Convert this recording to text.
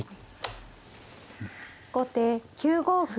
後手９五歩。